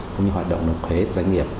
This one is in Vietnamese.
cũng như hoạt động nộp thuế doanh nghiệp